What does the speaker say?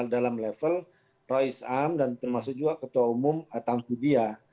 dalam level roy sam dan termasuk juga ketua umum atam budia